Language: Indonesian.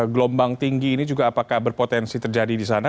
gelombang tinggi ini juga apakah berpotensi terjadi di sana